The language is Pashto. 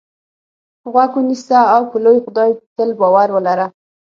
غوږ ونیسه او په لوی خدای تل باور ولره.